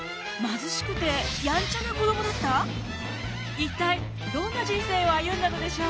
一体どんな人生を歩んだのでしょう。